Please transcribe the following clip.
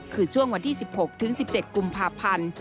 คือช่วงวันที่๑๖ถึง๑๗กุมภาพันธ์